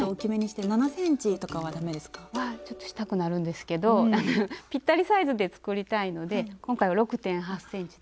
ちょっとしたくなるんですけどぴったりサイズで作りたいので今回は６．８ｃｍで。